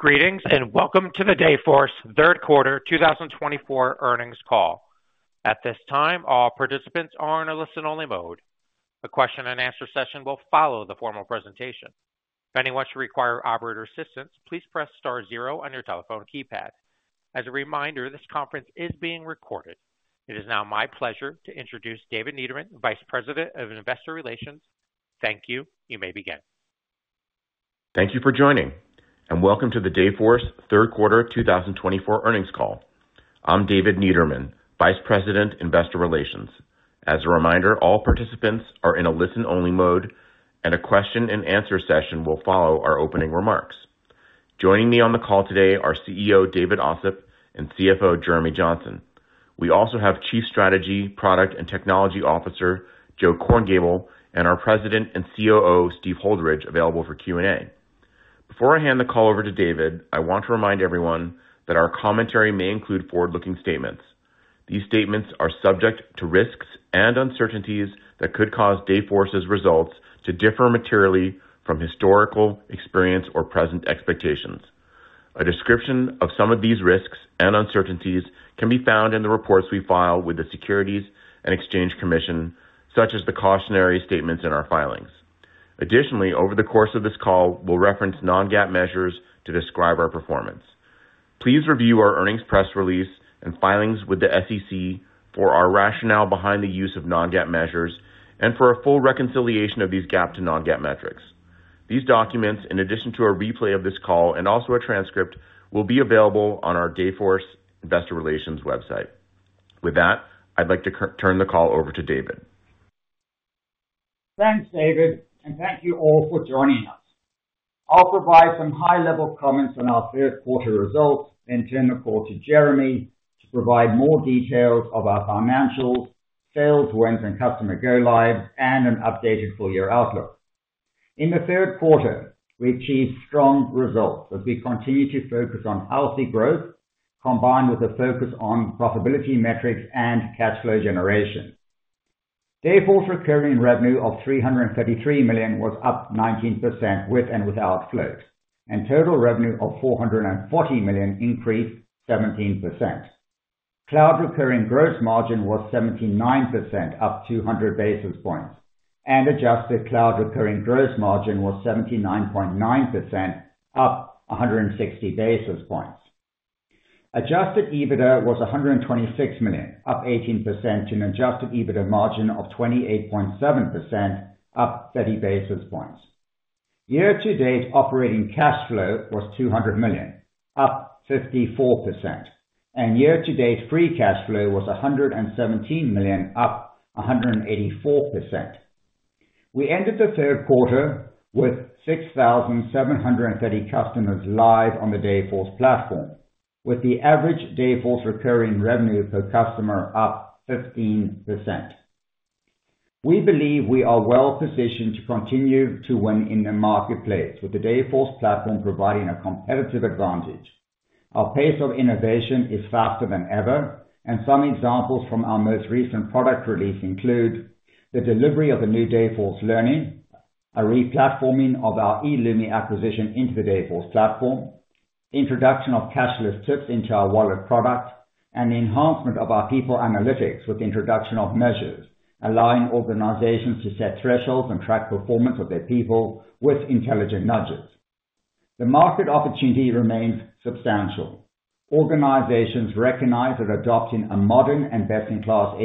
Greetings and welcome to the Dayforce Q3 2024 Earnings Call. At this time, all participants are in a listen-only mode. A question-and-answer session will follow the formal presentation. If anyone should require operator assistance, please press star zero on your telephone keypad. As a reminder, this conference is being recorded. It is now my pleasure to introduce David Niederman, Vice President of Investor Relations. Thank you. You may begin. Thank you for joining, and welcome to the Dayforce Q3 2024 Earnings Call. I'm David Niederman, Vice President, Investor Relations. As a reminder, all participants are in a listen-only mode, and a question-and-answer session will follow our opening remarks. Joining me on the call today are CEO David Ossip and CFO Jeremy Johnson. We also have Chief Strategy, Product, and Technology Officer Joe Korngiebel, and our President and COO Steve Holdridge available for Q&A. Before I hand the call over to David, I want to remind everyone that our commentary may include forward-looking statements. These statements are subject to risks and uncertainties that could cause Dayforce's results to differ materially from historical experience or present expectations. A description of some of these risks and uncertainties can be found in the reports we file with the Securities and Exchange Commission, such as the cautionary statements in our filings. Additionally, over the course of this call, we'll reference non-GAAP measures to describe our performance. Please review our earnings press release and filings with the SEC for our rationale behind the use of non-GAAP measures and for a full reconciliation of these GAAP to non-GAAP metrics. These documents, in addition to a replay of this call and also a transcript, will be available on our Dayforce Investor Relations website. With that, I'd like to turn the call over to David. Thanks, David, and thank you all for joining us. I'll provide some high-level comments on our third-quarter results and turn the call to Jeremy to provide more details of our financials, sales, wins, and customer go-lives, and an updated full-year outlook. In the third quarter, we achieved strong results as we continue to focus on healthy growth, combined with a focus on profitability metrics and cash flow generation. Dayforce's recurring revenue of $333 million was up 19% with and without floats, and total revenue of $440 million increased 17%. Cloud recurring gross margin was 79%, up 200 basis points, and adjusted cloud recurring gross margin was 79.9%, up 160 basis points. Adjusted EBITDA was $126 million, up 18%, to an adjusted EBITDA margin of 28.7%, up 30 basis points. Year-to-date operating cash flow was $200 million, up 54%, and year-to-date free cash flow was $117 million, up 184%. We ended the third quarter with 6,730 customers live on the Dayforce platform, with the average Dayforce recurring revenue per customer up 15%. We believe we are well-positioned to continue to win in the marketplace, with the Dayforce platform providing a competitive advantage. Our pace of innovation is faster than ever, and some examples from our most recent product release include the delivery of a new Dayforce Learning, a re-platforming of our eloomi acquisition into the Dayforce platform, introduction of cashless tips into our wallet product, and the enhancement of our People Analytics with the introduction of measures allowing organizations to set thresholds and track performance of their people with intelligent nudges. The market opportunity remains substantial. Organizations recognize that adopting a modern and best-in-class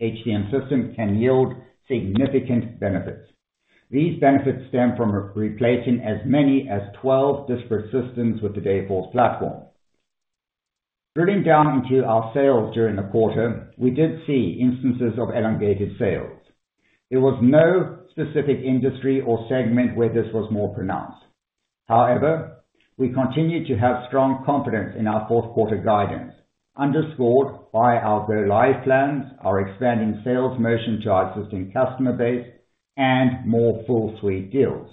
HCM system can yield significant benefits. These benefits stem from replacing as many as 12 disparate systems with the Dayforce platform. Drilling down into our sales during the quarter, we did see instances of elongated sales. There was no specific industry or segment where this was more pronounced. However, we continue to have strong confidence in our fourth-quarter guidance, underscored by our go-live plans, our expanding sales motion to our existing customer base, and more full-suite deals.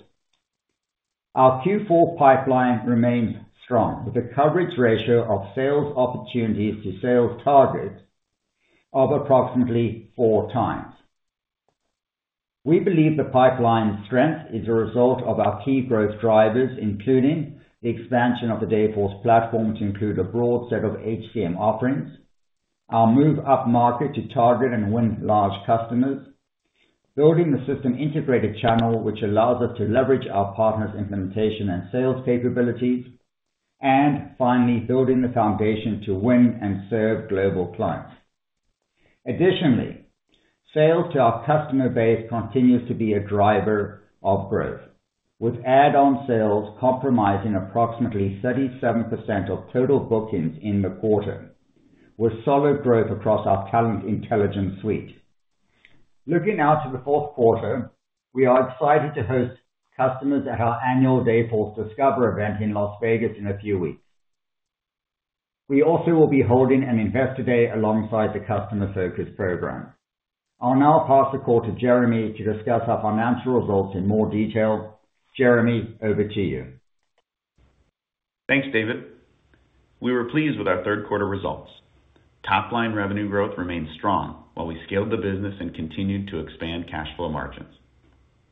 Our Q4 pipeline remains strong, with a coverage ratio of sales opportunities to sales targets of approximately 4x. We believe the pipeline's strength is a result of our key growth drivers, including the expansion of the Dayforce platform to include a broad set of HCM offerings, our move upmarket to target and win large customers, building the system integrator channel which allows us to leverage our partners' implementation and sales capabilities, and finally, building the foundation to win and serve global clients. Additionally, sales to our customer base continue to be a driver of growth, with add-on sales comprising approximately 37% of total bookings in the quarter, with solid growth across our Talent Intelligence Suite. Looking out to the fourth quarter, we are excited to host customers at our annual Dayforce Discover event in Las Vegas in a few weeks. We also will be holding an Investor Day alongside the Customer Focus program. I'll now pass the call to Jeremy to discuss our financial results in more detail. Jeremy, over to you. Thanks, David. We were pleased with our third-quarter results. Top-line revenue growth remained strong while we scaled the business and continued to expand cash flow margins.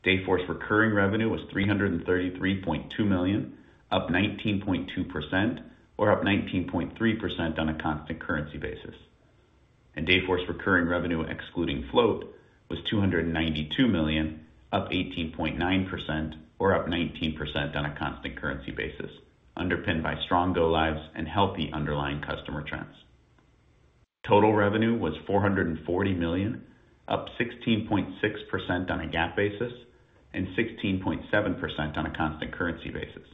Dayforce recurring revenue was $333.2 million, up 19.2%, or up 19.3% on a constant currency basis. And Dayforce recurring revenue, excluding float, was $292 million, up 18.9%, or up 19% on a constant currency basis, underpinned by strong go-lives and healthy underlying customer trends. Total revenue was $440 million, up 16.6% on a GAAP basis and 16.7% on a constant currency basis.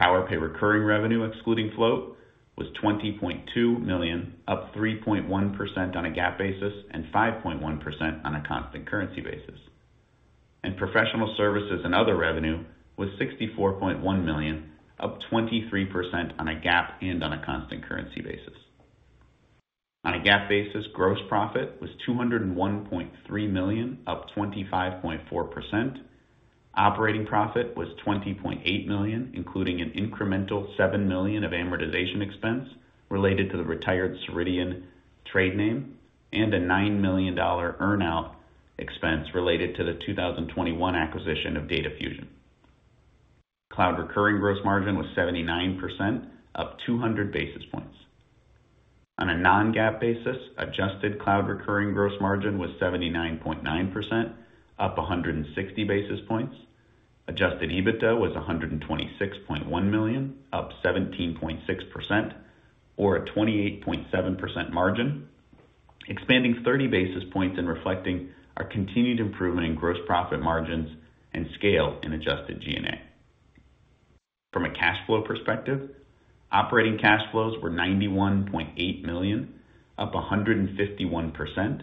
Powerpay recurring revenue, excluding float, was $20.2 million, up 3.1% on a GAAP basis and 5.1% on a constant currency basis. And professional services and other revenue was $64.1 million, up 23% on a GAAP and on a constant currency basis. On a GAAP basis, gross profit was $201.3 million, up 25.4%. Operating profit was $20.8 million, including an incremental $7 million of amortization expense related to the retired Ceridian trade name and a $9 million earnout expense related to the 2021 acquisition of DataFuZion. Cloud recurring gross margin was 79%, up 200 basis points. On a non-GAAP basis, adjusted cloud recurring gross margin was 79.9%, up 160 basis points. Adjusted EBITDA was $126.1 million, up 17.6%, or a 28.7% margin, expanding 30 basis points and reflecting our continued improvement in gross profit margins and scale in adjusted G&A. From a cash flow perspective, operating cash flows were $91.8 million, up 151%,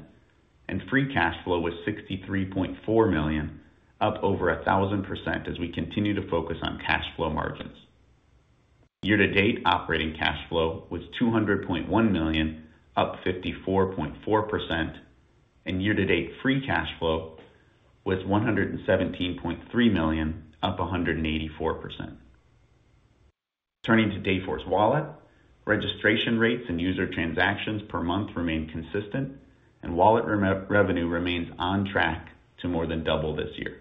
and free cash flow was $63.4 million, up over 1,000% as we continue to focus on cash flow margins. Year-to-date operating cash flow was $200.1 million, up 54.4%, and year-to-date free cash flow was $117.3 million, up 184%. Turning to Dayforce Wallet, registration rates and user transactions per month remain consistent, and wallet revenue remains on track to more than double this year.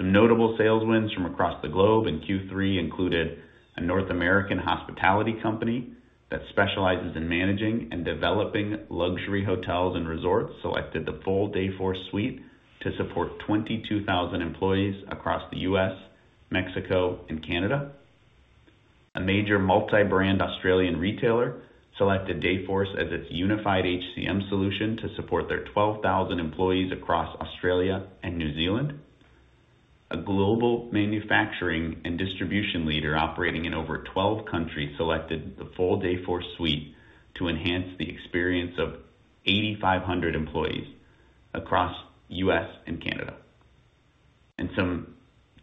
Some notable sales wins from across the globe in Q3 included a North American hospitality company that specializes in managing and developing luxury hotels and resorts selected the full Dayforce suite to support 22,000 employees across the U.S., Mexico, and Canada. A major multi-brand Australian retailer selected Dayforce as its unified HCM solution to support their 12,000 employees across Australia and New Zealand. A global manufacturing and distribution leader operating in over 12 countries selected the full Dayforce suite to enhance the experience of 8,500 employees across the U.S. and Canada. And some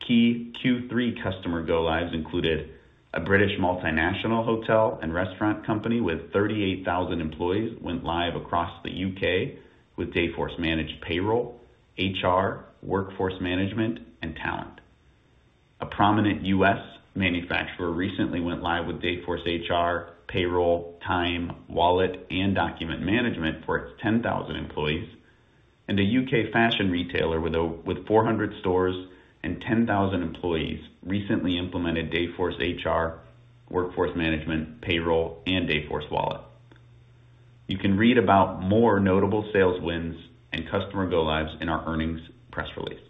key Q3 customer go-lives included a British multinational hotel and restaurant company with 38,000 employees went live across the U.K. with Dayforce Managed Payroll, HR, Workforce Management, and Talent. A prominent U.S. manufacturer recently went live with Dayforce HR, Payroll, Time, Wallet, and Document Management for its 10,000 employees. A U.K. fashion retailer with 400 stores and 10,000 employees recently implemented Dayforce HR, Workforce Management, Payroll, and Dayforce Wallet. You can read about more notable sales wins and customer go-lives in our earnings press release.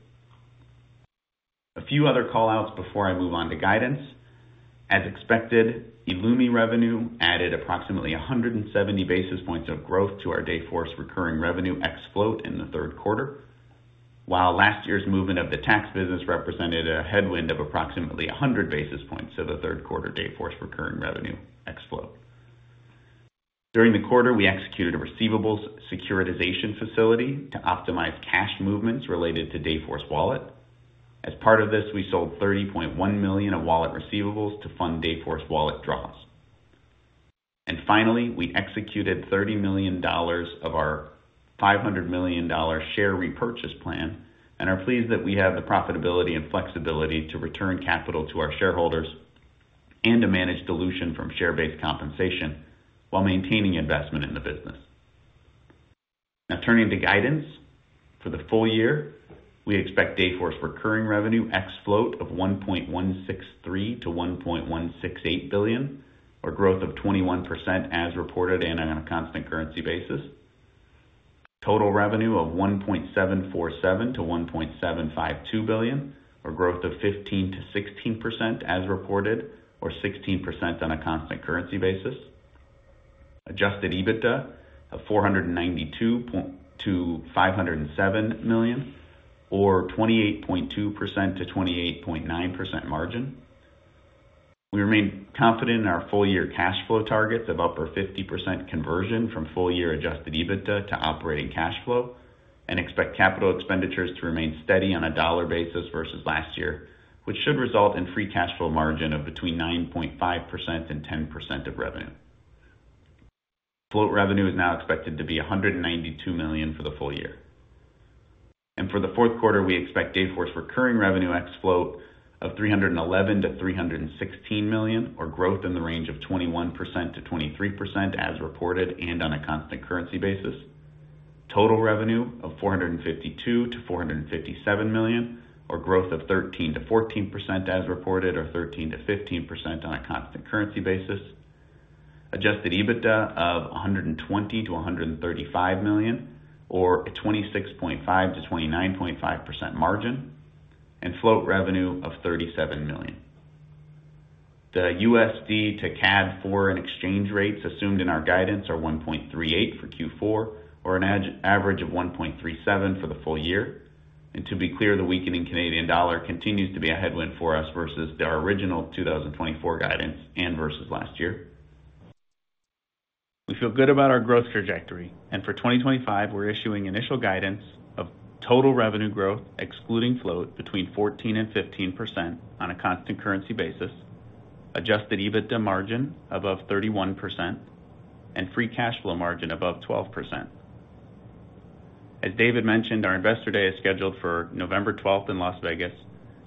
A few other callouts before I move on to guidance. As expected, eloomi revenue added approximately 170 basis points of growth to our Dayforce recurring revenue ex float in the third quarter, while last year's movement of the tax business represented a headwind of approximately 100 basis points to the third-quarter Dayforce recurring revenue ex float. During the quarter, we executed a receivables securitization facility to optimize cash movements related to Dayforce Wallet. As part of this, we sold $30.1 million of wallet receivables to fund Dayforce Wallet draws. Finally, we executed $30 million of our $500 million share repurchase plan and are pleased that we have the profitability and flexibility to return capital to our shareholders and to manage dilution from share-based compensation while maintaining investment in the business. Now, turning to guidance for the full year, we expect Dayforce recurring revenue ex float of $1.163-$1.168 billion, or growth of 21% as reported and on a constant currency basis. Total revenue of $1.747-$1.752 billion, or growth of 15%-16% as reported, or 16% on a constant currency basis. Adjusted EBITDA of $492.2-$507 million, or 28.2%-28.9% margin. We remain confident in our full-year cash flow targets of upper 50% conversion from full-year adjusted EBITDA to operating cash flow and expect capital expenditures to remain steady on a dollar basis versus last year, which should result in free cash flow margin of between 9.5% and 10% of revenue. Float revenue is now expected to be $192 million for the full year. And for the fourth quarter, we expect Dayforce recurring revenue ex float of $311-$316 million, or growth in the range of 21%-23% as reported and on a constant currency basis. Total revenue of $452-$457 million, or growth of 13%-14% as reported, or 13%-15% on a constant currency basis. Adjusted EBITDA of $120-$135 million, or a 26.5%-29.5% margin, and float revenue of $37 million. The USD to CAD foreign exchange rates assumed in our guidance are 1.38 for Q4, or an average of 1.37 for the full year, and to be clear, the weakening Canadian dollar continues to be a headwind for us versus our original 2024 guidance and versus last year. We feel good about our growth trajectory, and for 2025, we're issuing initial guidance of total revenue growth, excluding float, between 14% and 15% on a constant currency basis, adjusted EBITDA margin above 31%, and free cash flow margin above 12%. As David mentioned, our Investor Day is scheduled for November 12th in Las Vegas.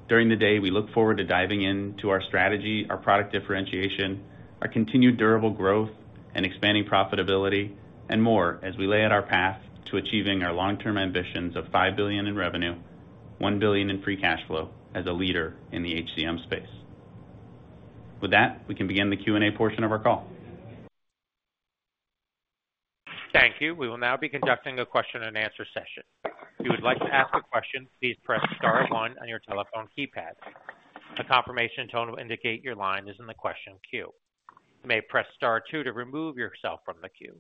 During the day, we look forward to diving into our strategy, our product differentiation, our continued durable growth and expanding profitability, and more as we lay out our path to achieving our long-term ambitions of $5 billion in revenue, $1 billion in free cash flow as a leader in the HCM space. With that, we can begin the Q&A portion of our call. Thank you. We will now be conducting a question-and-answer session. If you would like to ask a question, please press Star 1 on your telephone keypad. A confirmation tone will indicate your line is in the question queue. You may press Star 2 to remove yourself from the queue.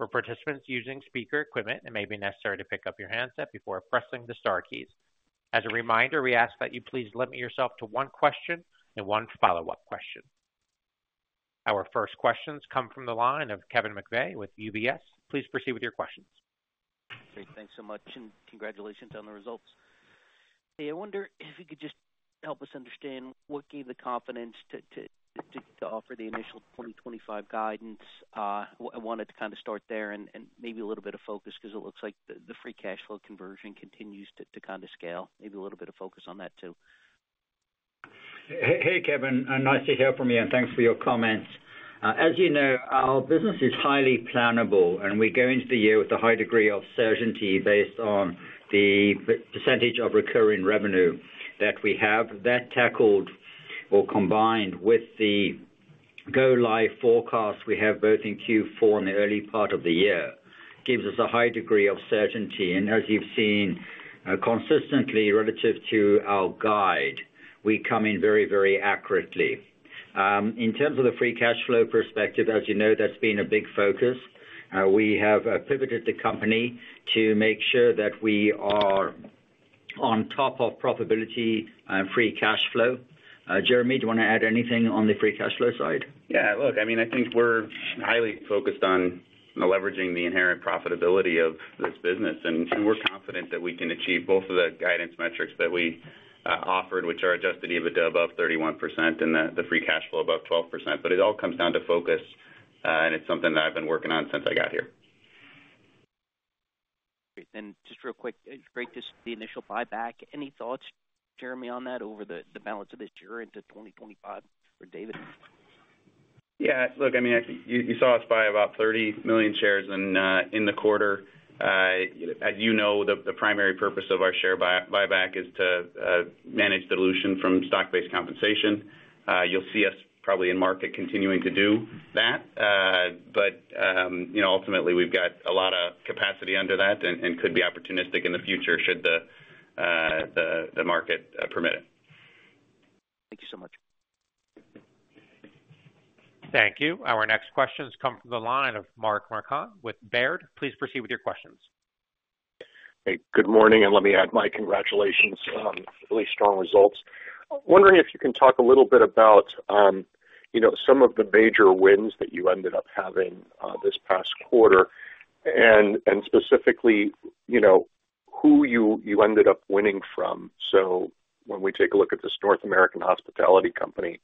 For participants using speaker equipment, it may be necessary to pick up your handset before pressing the Star keys. As a reminder, we ask that you please limit yourself to one question and one follow-up question. Our first questions come from the line of Kevin McVey with UBS. Please proceed with your questions. Great. Thanks so much, and congratulations on the results. Hey, I wonder if you could just help us understand what gave the confidence to offer the initial 2025 guidance? I wanted to kind of start there and maybe a little bit of focus because it looks like the free cash flow conversion continues to kind of scale. Maybe a little bit of focus on that too. Hey, Kevin. Nice to hear from you, and thanks for your comments. As you know, our business is highly plannable, and we go into the year with a high degree of certainty based on the percentage of recurring revenue that we have. That, coupled with the go-live forecast we have both in Q4 and the early part of the year gives us a high degree of certainty. As you've seen, consistently relative to our guide, we come in very, very accurately. In terms of the free cash flow perspective, as you know, that's been a big focus. We have pivoted the company to make sure that we are on top of profitability and free cash flow. Jeremy, do you want to add anything on the free cash flow side? Yeah. Look, I mean, I think we're highly focused on leveraging the inherent profitability of this business, and we're confident that we can achieve both of the guidance metrics that we offered, which are adjusted EBITDA above 31% and free cash flow above 12%. But it all comes down to focus, and it's something that I've been working on since I got here. Great. And just real quick, it's great to see the initial buyback. Any thoughts, Jeremy, on that over the balance of this year into 2025 for David? Yeah. Look, I mean, you saw us buy about 30 million shares in the quarter. As you know, the primary purpose of our share buyback is to manage dilution from stock-based compensation. You'll see us probably in market continuing to do that. But ultimately, we've got a lot of capacity under that and could be opportunistic in the future should the market permit it. Thank you so much. Thank you. Our next questions come from the line of Mark Marcon with Baird. Please proceed with your questions. Hey, good morning, and let me add my congratulations on really strong results. Wondering if you can talk a little bit about some of the major wins that you ended up having this past quarter and specifically who you ended up winning from. So when we take a look at this North American hospitality company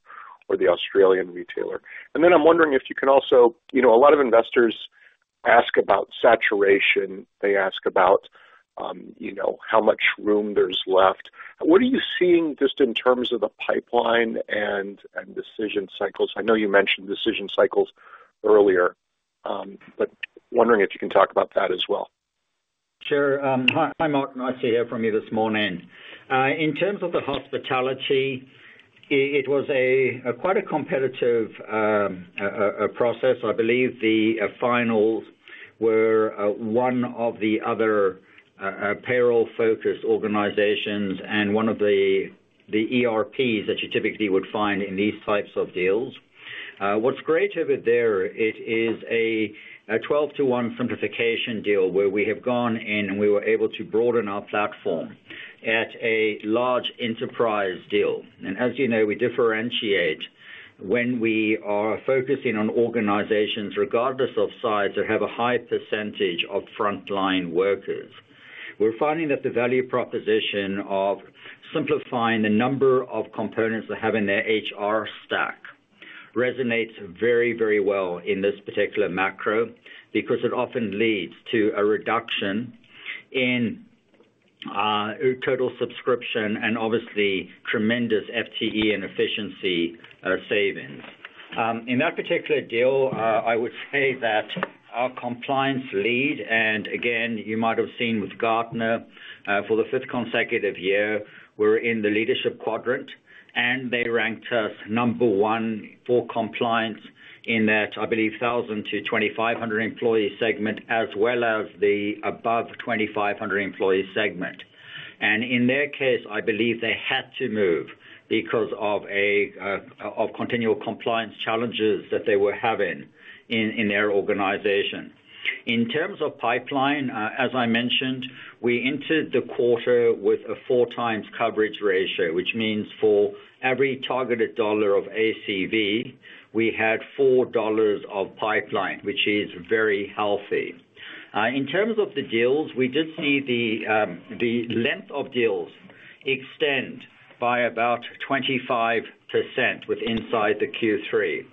or the Australian retailer. And then I'm wondering if you can also, a lot of investors ask about saturation. They ask about how much room there's left. What are you seeing just in terms of the pipeline and decision cycles? I know you mentioned decision cycles earlier, but wondering if you can talk about that as well. Sure. Hi, Mark. Nice to hear from you this morning. In terms of the hospitality, it was quite a competitive process. I believe the finals were one of the other payroll-focused organizations and one of the ERPs that you typically would find in these types of deals. What's great over there is a 12-to-1 simplification deal where we have gone in and we were able to broaden our platform at a large enterprise deal, and as you know, we differentiate when we are focusing on organizations regardless of size that have a high percentage of frontline workers. We're finding that the value proposition of simplifying the number of components they have in their HR stack resonates very, very well in this particular macro because it often leads to a reduction in total subscription and obviously tremendous FTE and efficiency savings. In that particular deal, I would say that our compliance lead and again, you might have seen with Gartner, for the fifth consecutive year, we're in the leadership quadrant, and they ranked us number one for compliance in that, I believe, 1,000-2,500 employee segment as well as the above 2,500 employee segment, and in their case, I believe they had to move because of continual compliance challenges that they were having in their organization. In terms of pipeline, as I mentioned, we entered the quarter with a 4x coverage ratio, which means for every targeted dollar of ACV, we had $4 of pipeline, which is very healthy. In terms of the deals, we did see the length of deals extend by about 25% within the Q3.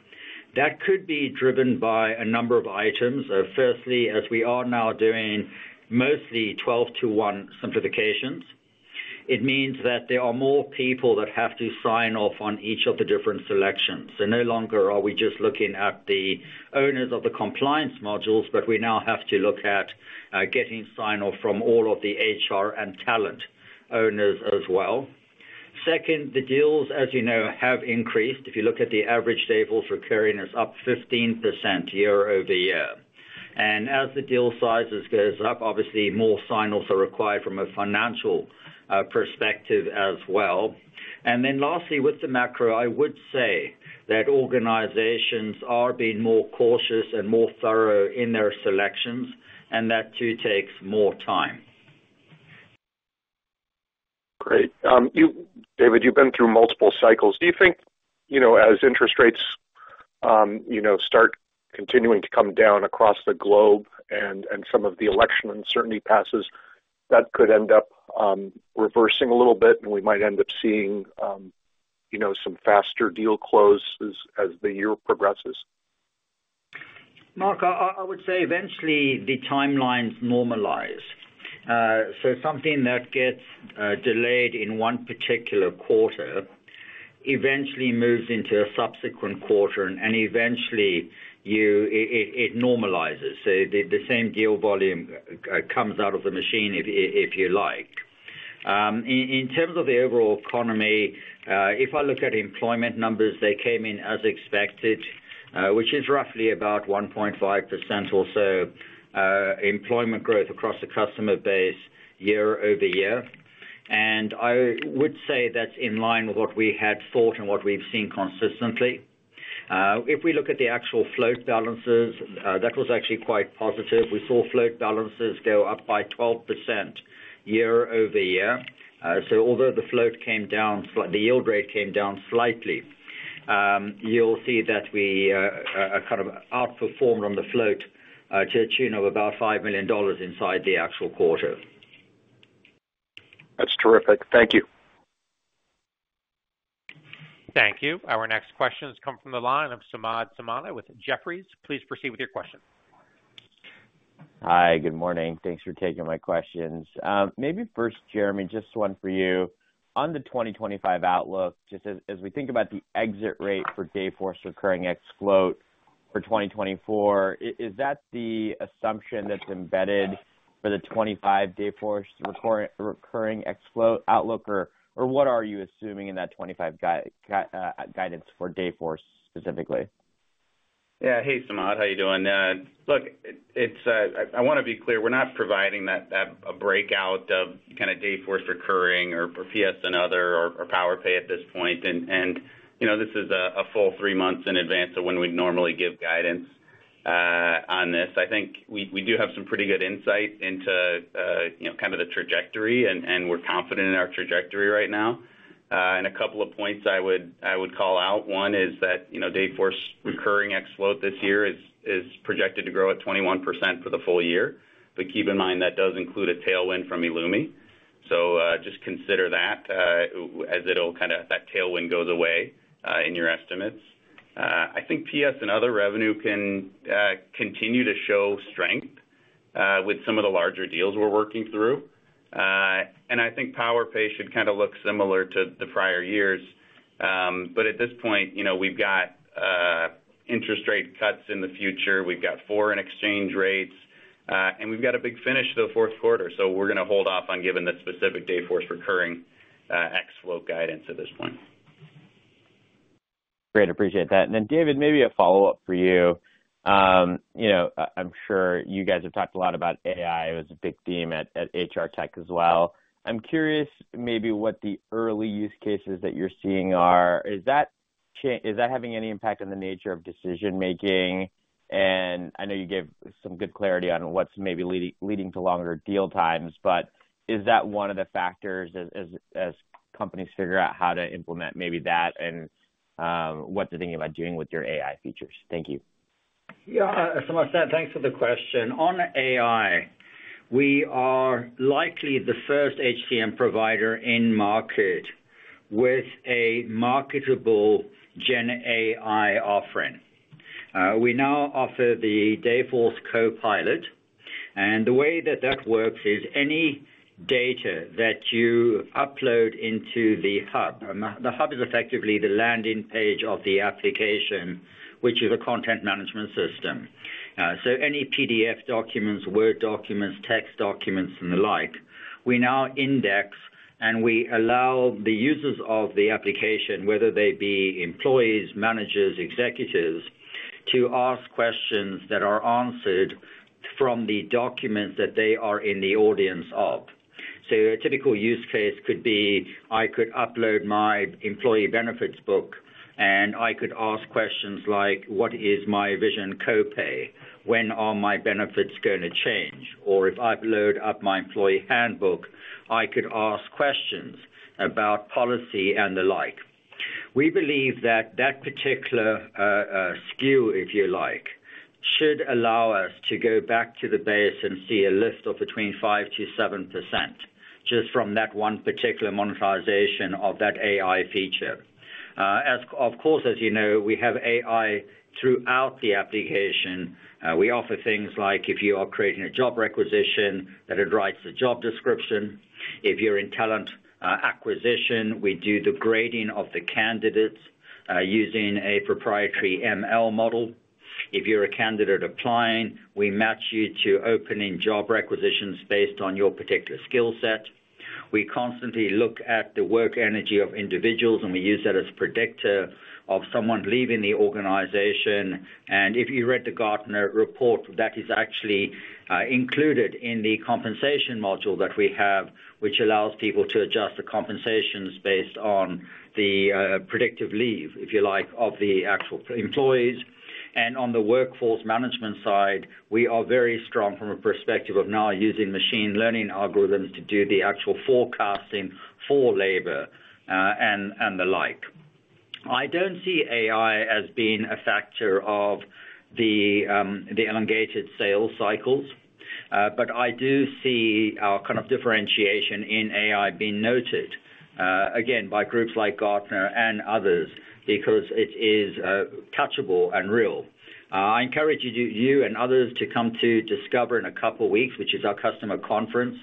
That could be driven by a number of items. Firstly, as we are now doing mostly 12-to-1 simplifications, it means that there are more people that have to sign off on each of the different selections. So no longer are we just looking at the owners of the compliance modules, but we now have to look at getting sign-off from all of the HR and talent owners as well. Second, the deals, as you know, have increased. If you look at the average Dayforce recurring revenue, it's up 15% year-over-year. And as the deal sizes go up, obviously, more sign-offs are required from a financial perspective as well. And then lastly, with the macro, I would say that organizations are being more cautious and more thorough in their selections, and that too takes more time. Great. David, you've been through multiple cycles. Do you think as interest rates start continuing to come down across the globe and some of the election uncertainty passes, that could end up reversing a little bit, and we might end up seeing some faster deal closes as the year progresses? Mark, I would say eventually the timelines normalize. So something that gets delayed in one particular quarter eventually moves into a subsequent quarter, and eventually it normalizes. So the same deal volume comes out of the machine, if you like. In terms of the overall economy, if I look at employment numbers, they came in as expected, which is roughly about 1.5% or so employment growth across the customer base year-over-year. And I would say that's in line with what we had thought and what we've seen consistently. IIf we look at the actual float balances, that was actually quite positive. We saw float balances go up by 12% year-over-year. So although the float came down, the yield rate came down slightly, you'll see that we kind of outperformed on the float to a tune of about $5 million inside the actual quarter. That's terrific. Thank you. Thank you. Our next questions come from the line of Samad Samana with Jefferies. Please proceed with your question. Hi, good morning. Thanks for taking my questions. Maybe first, Jeremy, just one for you. On the 2025 outlook, just as we think about the exit rate for Dayforce recurring revenue for 2024, is that the assumption that's embedded for the '25 Dayforce recurring revenue outlook, or what are you assuming in that '25 guidance for Dayforce specifically? Yeah. Hey, Samad. How are you doing? Look, I want to be clear. We're not providing a breakout of kind of Dayforce Recurring or PS and Other or Powerpay at this point. And this is a full three months in advance of when we'd normally give guidance on this. I think we do have some pretty good insight into kind of the trajectory, and we're confident in our trajectory right now. And a couple of points I would call out. One is that Dayforce recurring revenue this year is projected to grow at 21% for the full year. But keep in mind that does include a tailwind from eloomi. So just consider that as it'll kind of that tailwind goes away in your estimates. I think PS and Other revenue can continue to show strength with some of the larger deals we're working through. I think Powerpay should kind of look similar to the prior years. At this point, we've got interest rate cuts in the future. We've got foreign exchange rates, and we've got a big finish to the fourth quarter. We're going to hold off on giving the specific Dayforce recurring revenue guidance at this point. Great. Appreciate that. And then, David, maybe a follow-up for you. I'm sure you guys have talked a lot about AI. It was a big theme at HR Tech as well. I'm curious maybe what the early use cases that you're seeing are. Is that having any impact on the nature of decision-making? And I know you gave some good clarity on what's maybe leading to longer deal times, but is that one of the factors as companies figure out how to implement maybe that and what they're thinking about doing with your AI features? Thank you. Yeah. Samad Samana, thanks for the question. On AI, we are likely the first HCM provider in market with a marketable Gen AI offering. We now offer the Dayforce Copilot. And the way that that works is any data that you upload into the Hub. The Hub is effectively the landing page of the application, which is a content management system. So any PDF documents, Word documents, text documents, and the like, we now index, and we allow the users of the application, whether they be employees, managers, executives, to ask questions that are answered from the documents that they are in the audience of. So a typical use case could be I could upload my employee benefits book, and I could ask questions like, "What is my vision copay? When are my benefits going to change?" Or if I upload my employee handbook, I could ask questions about policy and the like. We believe that particular SKU, if you like, should allow us to go back to the base and see a lift of between 5%-7% just from that one particular monetization of that AI feature. Of course, as you know, we have AI throughout the application. We offer things like if you are creating a job requisition, that it writes a job description. If you're in talent acquisition, we do the grading of the candidates using a proprietary ML model. If you're a candidate applying, we match you to opening job requisitions based on your particular skill set. We constantly look at the work energy of individuals, and we use that as a predictor of someone leaving the organization. And if you read the Gartner report, that is actually included in the compensation module that we have, which allows people to adjust the compensations based on the predictive leave, if you like, of the actual employees. And on the workforce management side, we are very strong from a perspective of now using machine learning algorithms to do the actual forecasting for labor and the like. I don't see AI as being a factor of the elongated sales cycles, but I do see our kind of differentiation in AI being noted, again, by groups like Gartner and others because it is touchable and real. I encourage you and others to come to Discover in a couple of weeks, which is our customer conference.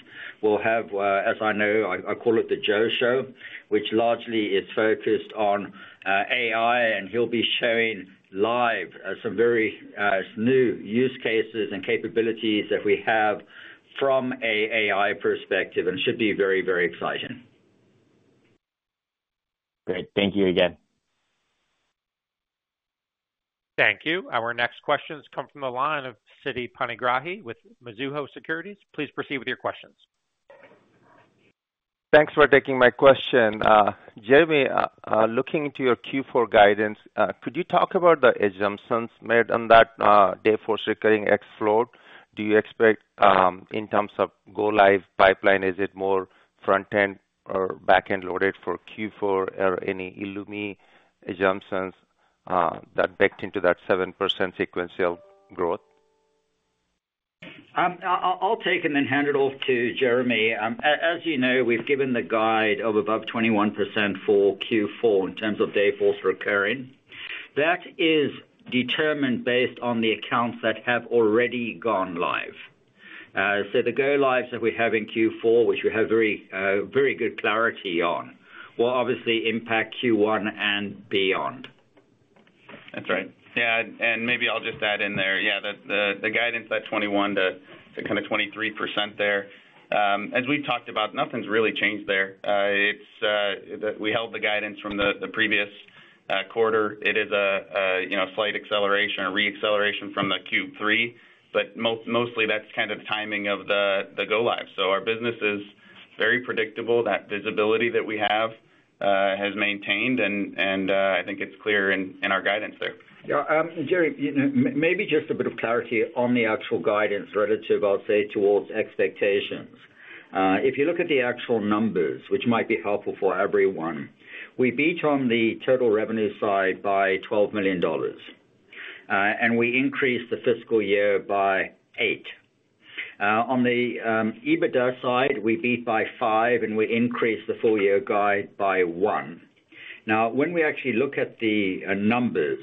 We'll have, as I know, I call it the Joe Show, which largely is focused on AI, and he'll be showing live some very new use cases and capabilities that we have from an AI perspective, and it should be very, very exciting. Great. Thank you again. Thank you. Our next questions come from the line of Siti Panigrahi with Mizuho Securities. Please proceed with your questions. Thanks for taking my question. Jeremy, looking into your Q4 guidance, could you talk about the assumptions made on that Dayforce recurring revenue? Do you expect in terms of go-live pipeline, is it more front-end or back-end loaded for Q4 or any eloomi assumptions that baked into that 7% sequential growth? I'll take and then hand it off to Jeremy. As you know, we've given the guide of above 21% for Q4 in terms of Dayforce Recurring. That is determined based on the accounts that have already gone live. So the go-lives that we have in Q4, which we have very good clarity on, will obviously impact Q1 and beyond. That's right. Yeah, and maybe I'll just add in there, yeah, the guidance at 21%-23% there. As we've talked about, nothing's really changed there. We held the guidance from the previous quarter. It is a slight acceleration or re-acceleration from Q3, but mostly that's kind of the timing of the go-live, so our business is very predictable. That visibility that we have has maintained, and I think it's clear in our guidance there. Yeah. Jeremy, maybe just a bit of clarity on the actual guidance relative, I'll say, towards expectations. If you look at the actual numbers, which might be helpful for everyone, we beat on the total revenue side by $12 million, and we increased the fiscal year by 8. On the EBITDA side, we beat by 5, and we increased the full-year guide by 1. Now, when we actually look at the numbers,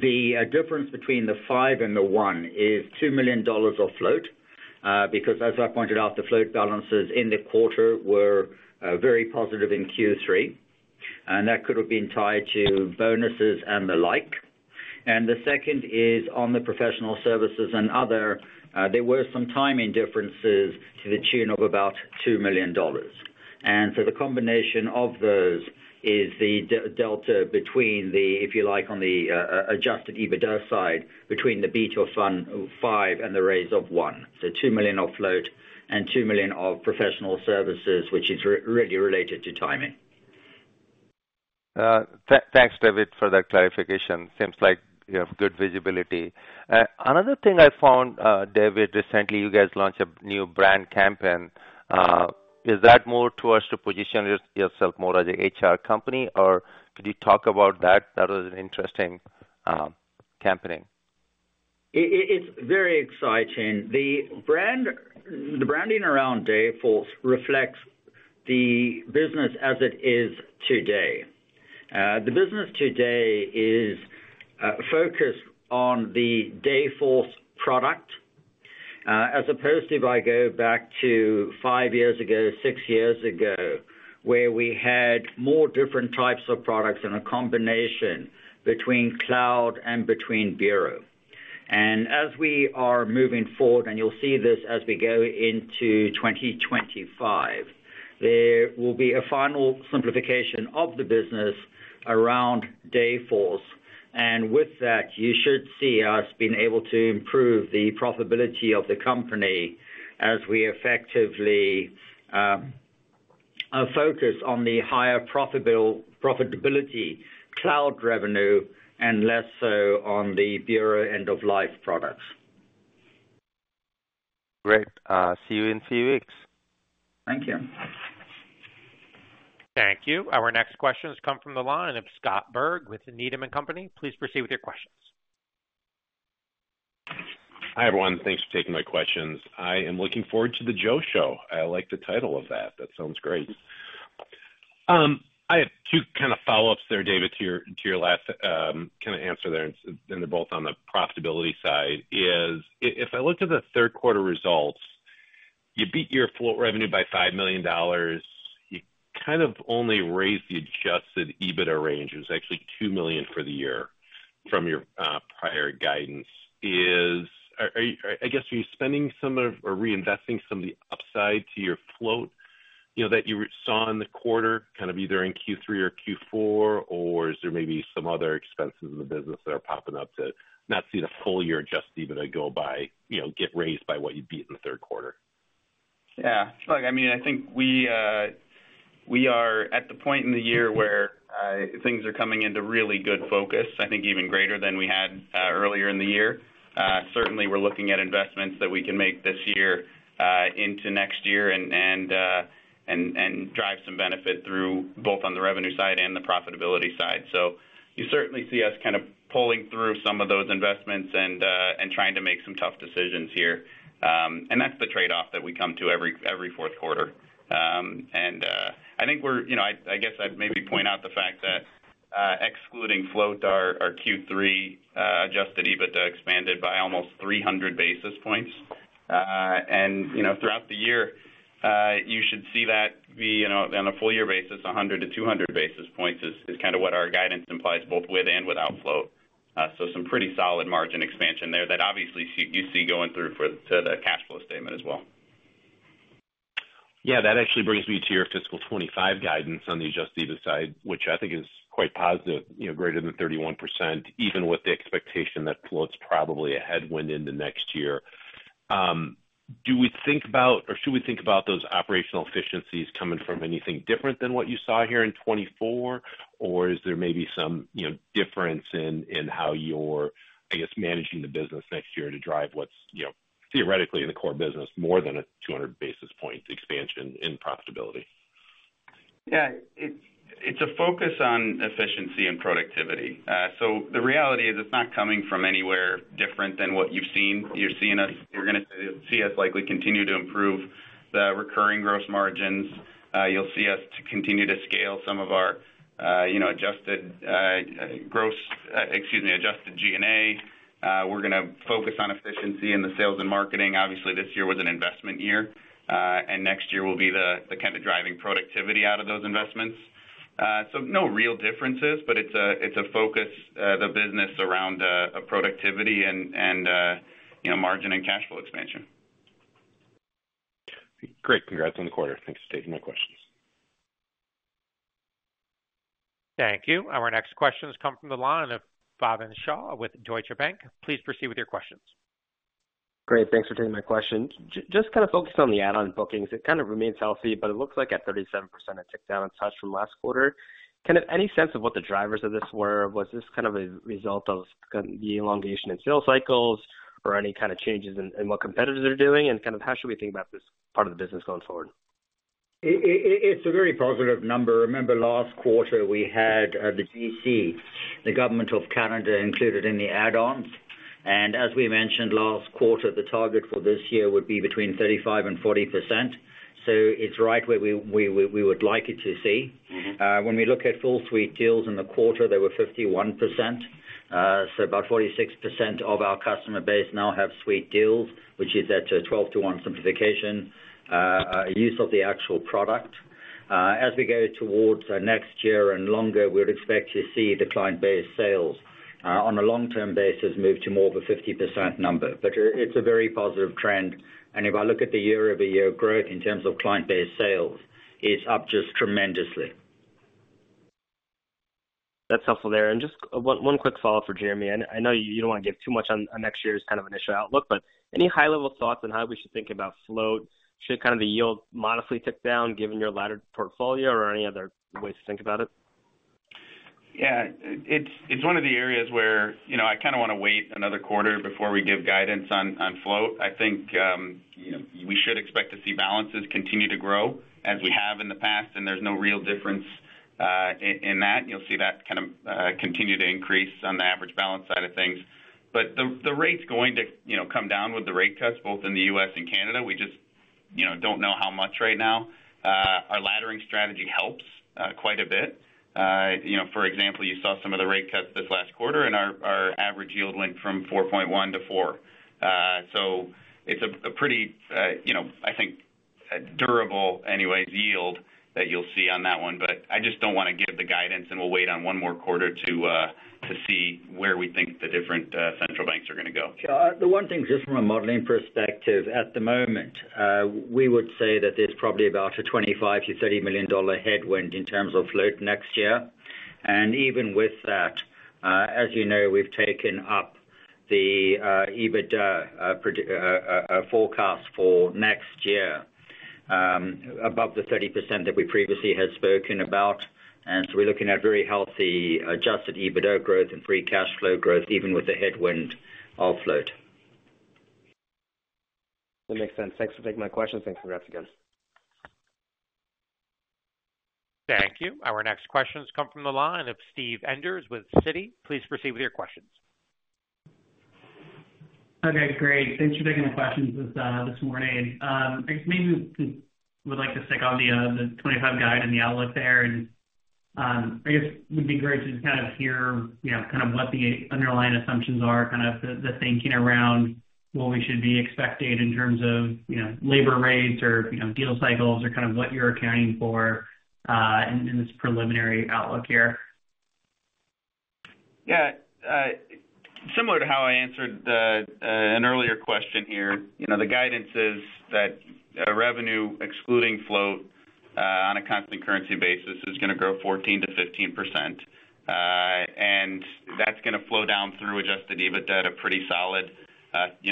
the difference between the 5 and the 1 is $2 million of float because, as I pointed out, the float balances in the quarter were very positive in Q3, and that could have been tied to bonuses and the like. And the second is on the professional services and other, there were some timing differences to the tune of about $2 million. And so the combination of those is the delta between the, if you like, on the adjusted EBITDA side, between the beat of 5 and the raise of 1. So $2 million of float and $2 million of professional services, which is really related to timing. Thanks, David, for that clarification. Seems like you have good visibility. Another thing I found, David, recently, you guys launched a new brand campaign. Is that more towards to position yourself more as an HR company, or could you talk about that? That was an interesting campaign. It's very exciting. The branding around Dayforce reflects the business as it is today. The business today is focused on the Dayforce product as opposed to, if I go back to five years ago, six years ago, where we had more different types of products and a combination between cloud and between bureau, and as we are moving forward, and you'll see this as we go into 2025, there will be a final simplification of the business around Dayforce, and with that, you should see us being able to improve the profitability of the company as we effectively focus on the higher profitability cloud revenue and less so on the bureau end-of-life products. Great. See you in a few weeks. Thank you. Thank you. Our next questions come from the line of Scott Berg with Needham & Company. Please proceed with your questions. Hi, everyone. Thanks for taking my questions. I am looking forward to the Joe Show. I like the title of that. That sounds great. I have two kind of follow-ups there, David, to your last kind of answer there, and they're both on the profitability side. If I looked at the third-quarter results, you beat your float revenue by $5 million. You kind of only raised the adjusted EBITDA range. It was actually $2 million for the year from your prior guidance. I guess, are you spending some or reinvesting some of the upside to your float that you saw in the quarter, kind of either in Q3 or Q4, or is there maybe some other expenses in the business that are popping up to not see the full-year adjusted EBITDA go by, get raised by what you beat in the third quarter? Yeah. Look, I mean, I think we are at the point in the year where things are coming into really good focus, I think even greater than we had earlier in the year. Certainly, we're looking at investments that we can make this year into next year and drive some benefit through both on the revenue side and the profitability side. So you certainly see us kind of pulling through some of those investments and trying to make some tough decisions here. And that's the trade-off that we come to every fourth quarter. And I think we're—I guess I'd maybe point out the fact that excluding float, our Q3 adjusted EBITDA expanded by almost 300 basis points. And throughout the year, you should see that on a full-year basis, 100 to 200 basis points is kind of what our guidance implies both with and without float. So some pretty solid margin expansion there that obviously you see going through to the cash flow statement as well. Yeah. That actually brings me to your fiscal 2025 guidance on the adjusted EBITDA side, which I think is quite positive, greater than 31%, even with the expectation that float's probably a headwind into next year. Do we think about, or should we think about those operational efficiencies coming from anything different than what you saw here in 2024, or is there maybe some difference in how you're, I guess, managing the business next year to drive what's theoretically in the core business more than a 200 basis points expansion in profitability? Yeah. It's a focus on efficiency and productivity. So the reality is it's not coming from anywhere different than what you've seen. You're going to see us likely continue to improve the recurring gross margins. You'll see us continue to scale some of our adjusted gross - excuse me - adjusted G&A. We're going to focus on efficiency in the sales and marketing. Obviously, this year was an investment year, and next year will be the kind of driving productivity out of those investments. So no real differences, but it's a focus, the business, around productivity and margin and cash flow expansion. Great. Congrats on the quarter. Thanks for taking my questions. Thank you. Our next questions come from the line of Bhavin Shah with Deutsche Bank. Please proceed with your questions. Great. Thanks for taking my question. Just kind of focusing on the add-on bookings, it kind of remains healthy, but it looks like at 37%, it ticked down a touch from last quarter. Kind of any sense of what the drivers of this were? Was this kind of a result of the elongation in sales cycles or any kind of changes in what competitors are doing? And kind of how should we think about this part of the business going forward? It's a very positive number. Remember, last quarter, we had the GC, the Government of Canada, included in the add-on. And as we mentioned, last quarter, the target for this year would be between 35% and 40%. So it's right where we would like it to see. When we look at full suite deals in the quarter, they were 51%. So about 46% of our customer base now have suite deals, which is that 12 to 1 simplification, use of the actual product. As we go towards next year and longer, we would expect to see the client-based sales on a long-term basis move to more of a 50% number. But it's a very positive trend. And if I look at the year-over-year growth in terms of client-based sales, it's up just tremendously. That's helpful there. And just one quick follow-up for Jeremy. I know you don't want to give too much on next year's kind of initial outlook, but any high-level thoughts on how we should think about float? Should kind of the yield modestly tick down given your ladder portfolio or any other ways to think about it? Yeah. It's one of the areas where I kind of want to wait another quarter before we give guidance on float. I think we should expect to see balances continue to grow as we have in the past, and there's no real difference in that. You'll see that kind of continue to increase on the average balance side of things. But the rate's going to come down with the rate cuts both in the U.S. and Canada. We just don't know how much right now. Our laddering strategy helps quite a bit. For example, you saw some of the rate cuts this last quarter, and our average yield went from 4.1 to 4. So it's a pretty, I think, durable anyways yield that you'll see on that one. But I just don't want to give the guidance, and we'll wait on one more quarter to see where we think the different central banks are going to go. Sure. The one thing just from a modeling perspective, at the moment, we would say that there's probably about a $25-$30 million headwind in terms of float next year. And even with that, as you know, we've taken up the EBITDA forecast for next year above the 30% that we previously had spoken about. And so we're looking at very healthy adjusted EBITDA growth and free cash flow growth even with the headwind of float. That makes sense. Thanks for taking my questions. Thanks for your attention. Thank you. Our next questions come from the line of Steve Enders with Citi. Please proceed with your questions. Okay. Great. Thanks for taking the questions this morning. I guess maybe we would like to stick on the 2025 guide and the outlook there. And I guess it would be great to kind of hear kind of what the underlying assumptions are, kind of the thinking around what we should be expecting in terms of labor rates or deal cycles or kind of what you're accounting for in this preliminary outlook here. Yeah. Similar to how I answered an earlier question here, the guidance is that revenue excluding float on a constant currency basis is going to grow 14%-15%. And that's going to flow down through adjusted EBITDA at a pretty solid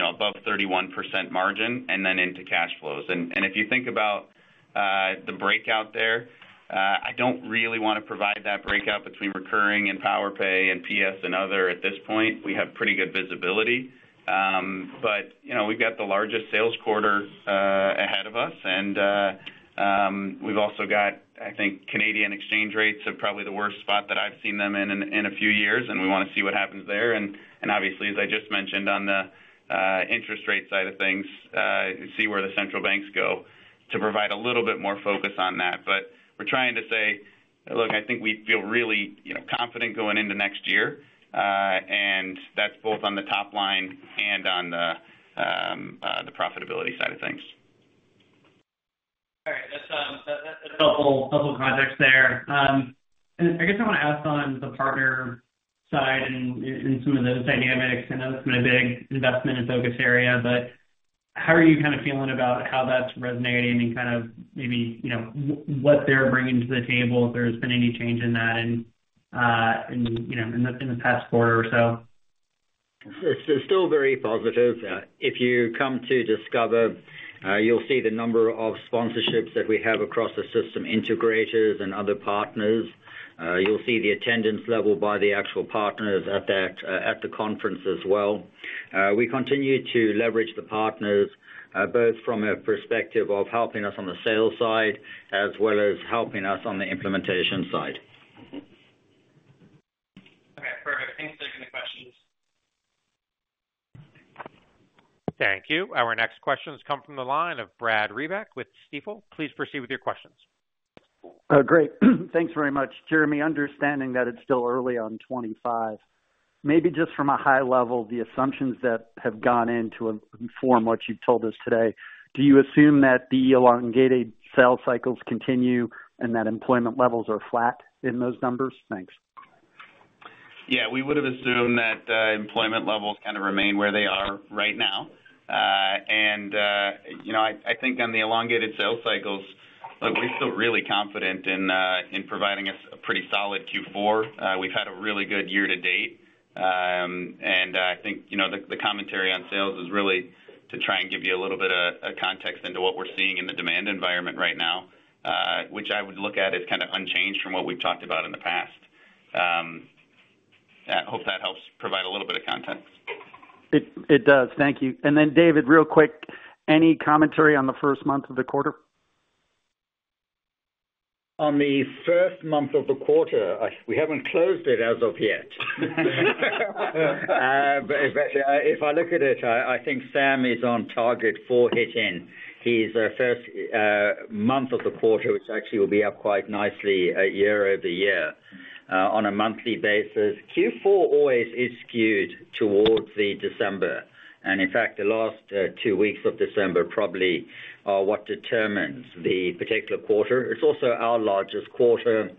above 31% margin and then into cash flows. And if you think about the breakout there, I don't really want to provide that breakout between recurring and Powerpay and PS and other at this point. We have pretty good visibility. But we've got the largest sales quarter ahead of us. And we've also got, I think, Canadian exchange rates are probably the worst spot that I've seen them in in a few years, and we want to see what happens there. And obviously, as I just mentioned on the interest rate side of things, see where the central banks go to provide a little bit more focus on that. But we're trying to say, "Look, I think we feel really confident going into next year." And that's both on the top line and on the profitability side of things. All right. That's helpful context there. And I guess I want to ask on the partner side and some of those dynamics. I know it's been a big investment and focus area, but how are you kind of feeling about how that's resonating and kind of maybe what they're bringing to the table if there's been any change in that in the past quarter or so? Still very positive. If you come to Discover, you'll see the number of sponsorships that we have across the system integrators and other partners. You'll see the attendance level by the actual partners at the conference as well. We continue to leverage the partners both from a perspective of helping us on the sales side as well as helping us on the implementation side. Okay. Perfect. Thanks for taking the questions. Thank you. Our next questions come from the line of Brad Reback with Stifel. Please proceed with your questions. Great. Thanks very much, Jeremy. Understanding that it's still early on 2025, maybe just from a high level, the assumptions that have gone into to inform what you've told us today, do you assume that the elongated sales cycles continue and that employment levels are flat in those numbers? Thanks. Yeah. We would have assumed that employment levels kind of remain where they are right now. And I think on the elongated sales cycles, look, we're still really confident in providing us a pretty solid Q4. We've had a really good year to date. And I think the commentary on sales is really to try and give you a little bit of context into what we're seeing in the demand environment right now, which I would look at as kind of unchanged from what we've talked about in the past. Hope that helps provide a little bit of context. It does. Thank you, and then, David, real quick, any commentary on the first month of the quarter? On the first month of the quarter, we haven't closed it as of yet. But if I look at it, I think Sam is on target for hitting his first month of the quarter, which actually will be up quite nicely year-over-year on a monthly basis. Q4 always is skewed towards the December. And in fact, the last two weeks of December probably are what determines the particular quarter. It's also our largest quarter.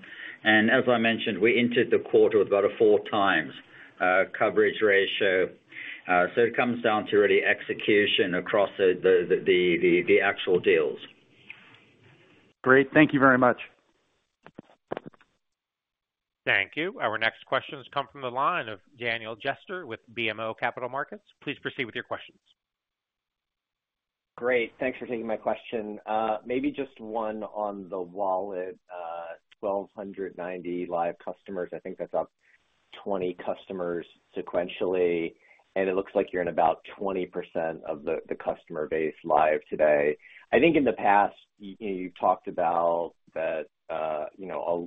And as I mentioned, we entered the quarter with about a 4x coverage ratio. So it comes down to really execution across the actual deals. Great. Thank you very much. Thank you. Our next questions come from the line of Daniel Jester with BMO Capital Markets. Please proceed with your questions. Great. Thanks for taking my question. Maybe just one on the wallet. 1,290 live customers. I think that's up 20 customers sequentially. And it looks like you're in about 20% of the customer base live today. I think in the past, you've talked about that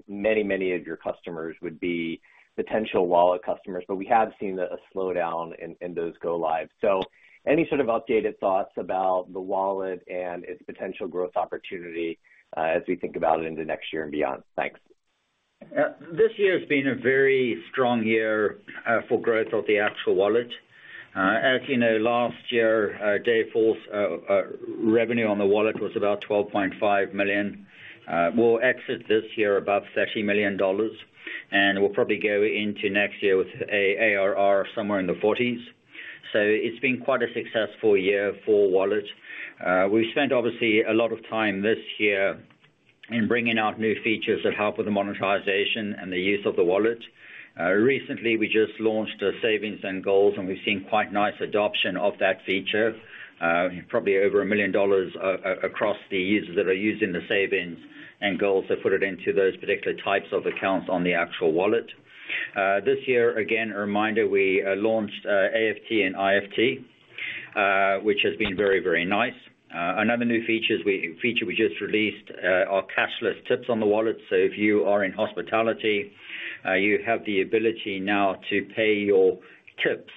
many, many of your customers would be potential wallet customers, but we have seen a slowdown in those go live. So any sort of updated thoughts about the wallet and its potential growth opportunity as we think about it into next year and beyond? Thanks. This year has been a very strong year for growth of the actual wallet. As you know, last year, Dayforce revenue on the wallet was about $12.5 million. We'll exit this year above $30 million, and we'll probably go into next year with ARR somewhere in the 40s. So it's been quite a successful year for wallet. We've spent, obviously, a lot of time this year in bringing out new features that help with the monetization and the use of the wallet. Recently, we just launched savings and goals, and we've seen quite nice adoption of that feature, probably over $1 million across the users that are using the savings and goals that put it into those particular types of accounts on the actual wallet. This year, again, a reminder, we launched AFT and IFT, which has been very, very nice. Another new feature we just released are cashless tips on the Wallet. So if you are in hospitality, you have the ability now to pay your tips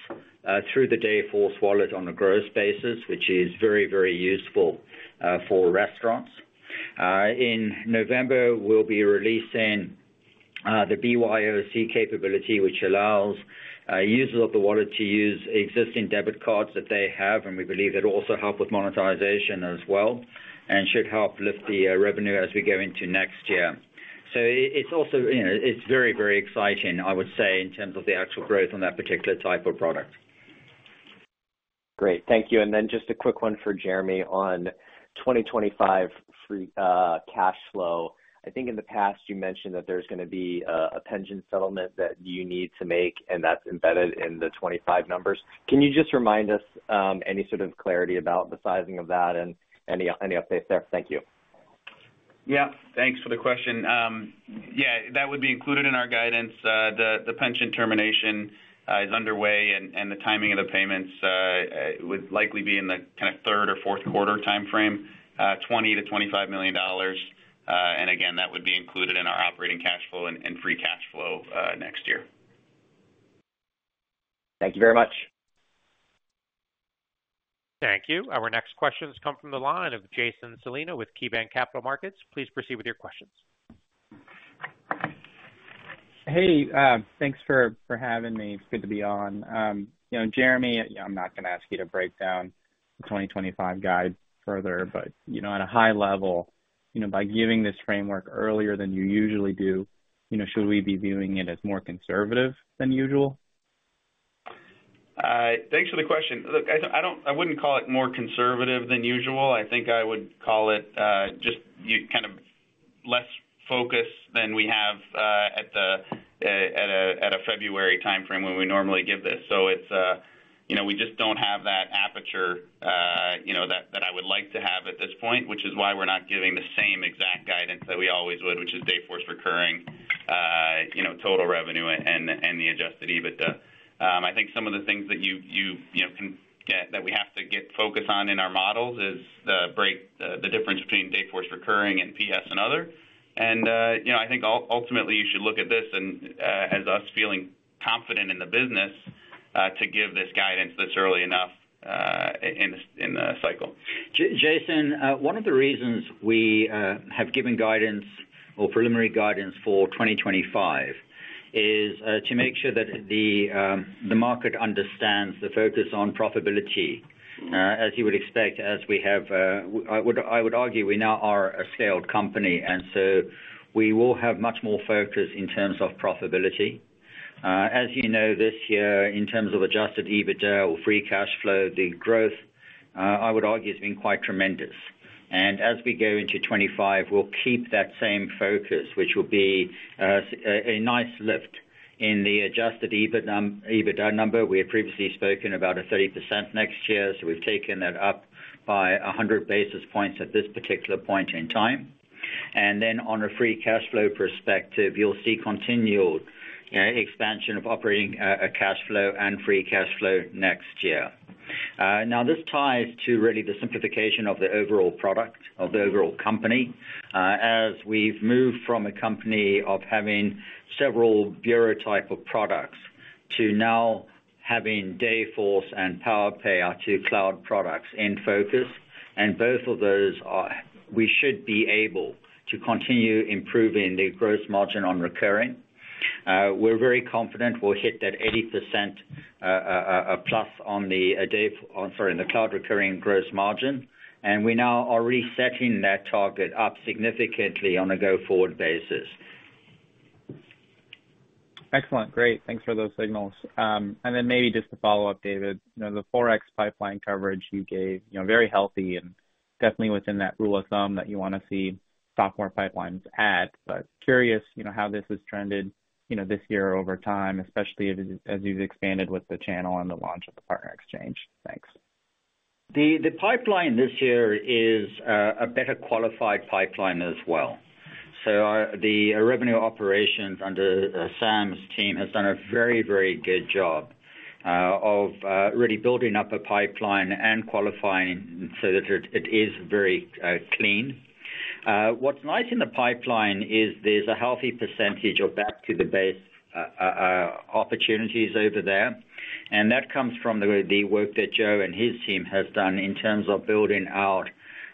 through the Dayforce Wallet on a gross basis, which is very, very useful for restaurants. In November, we'll be releasing the BYOC capability, which allows users of the Wallet to use existing debit cards that they have. And we believe it'll also help with monetization as well and should help lift the revenue as we go into next year. So it's very, very exciting, I would say, in terms of the actual growth on that particular type of product. Great. Thank you. And then just a quick one for Jeremy on 2025 cash flow. I think in the past, you mentioned that there's going to be a pending settlement that you need to make, and that's embedded in the 25 numbers. Can you just remind us any sort of clarity about the sizing of that and any updates there? Thank you. Yeah. Thanks for the question. Yeah. That would be included in our guidance. The pension termination is underway, and the timing of the payments would likely be in the kind of third or fourth quarter timeframe, $20 million-$25 million. And again, that would be included in our operating cash flow and free cash flow next year. Thank you very much. Thank you. Our next questions come from the line of Jason Celino with KeyBanc Capital Markets. Please proceed with your questions. Hey. Thanks for having me. It's good to be on. Jeremy, I'm not going to ask you to break down the 2025 guide further, but at a high level, by giving this framework earlier than you usually do, should we be viewing it as more conservative than usual? Thanks for the question. Look, I wouldn't call it more conservative than usual. I think I would call it just kind of less focused than we have at a February timeframe when we normally give this. So we just don't have that aperture that I would like to have at this point, which is why we're not giving the same exact guidance that we always would, which is Dayforce recurring total revenue and the adjusted EBITDA. I think some of the things that you can get that we have to get focus on in our models is the difference between Dayforce recurring and PS and other. And I think ultimately, you should look at this as us feeling confident in the business to give this guidance this early enough in the cycle. Jason, one of the reasons we have given guidance or preliminary guidance for 2025 is to make sure that the market understands the focus on profitability. As you would expect, as we have, I would argue we now are a scaled company, and so we will have much more focus in terms of profitability. As you know, this year, in terms of adjusted EBITDA or free cash flow, the growth, I would argue, has been quite tremendous, and as we go into 25, we'll keep that same focus, which will be a nice lift in the adjusted EBITDA number. We had previously spoken about a 30% next year, so we've taken that up by 100 basis points at this particular point in time, and then on a free cash flow perspective, you'll see continual expansion of operating cash flow and free cash flow next year. Now, this ties to really the simplification of the overall product of the overall company. As we've moved from a company of having several bureau type of products to now having Dayforce and Powerpay are two cloud products in focus. And both of those, we should be able to continue improving the gross margin on recurring. We're very confident we'll hit that 80%+ on the cloud recurring gross margin. And we now are resetting that target up significantly on a go-forward basis. Excellent. Great. Thanks for those signals. And then maybe just to follow up, David, the 4 pipeline coverage you gave is very healthy and definitely within that rule of thumb that you want to see software pipelines at. But curious how this has trended this year-over-year, especially as you've expanded with the channel and the launch of the Partner Exchange? Thanks. The pipeline this year is a better qualified pipeline as well. So the revenue operations under Sam's team has done a very, very good job of really building up a pipeline and qualifying so that it is very clean. What's nice in the pipeline is there's a healthy percentage of back-to-the-base opportunities over there. And that comes from the work that Joe and his team have done in terms of building out